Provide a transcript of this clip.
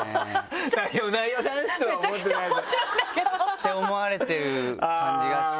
って思われてる感じがしちゃって。